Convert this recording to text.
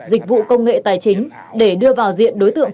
dịch vụ công nghệ tài chính để đưa vào diện đối tượng